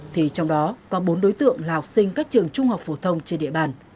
thì trong đó có bốn đối tượng là học sinh các trường trung học phổ thông trên địa bàn